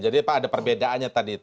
jadi pak ada perbedaannya tadi